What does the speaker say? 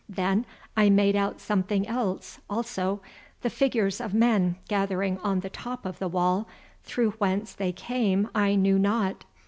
Then I made out something else also, the figures of men gathering on the top of the wall, though whence they came I knew not.